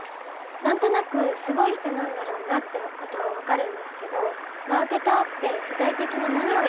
何となくすごい人なんだろうなってことは分かるんですけどマーケターって具体的に何をやってる人なんですか？